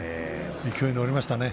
勢いに乗りましたね。